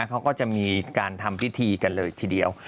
เขาก็จะมีการทำพิธีกันเลยทีเดียว